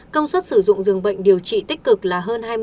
công suất sử dụng dường bệnh điều trị tích cực là hơn hai mươi